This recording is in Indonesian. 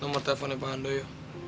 nomor teleponnya pak handoyo